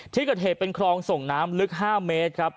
ที่เกิดเหตุเป็นคลองส่งน้ำลึก๕เมตรครับ